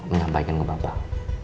menyampaikan ke bapak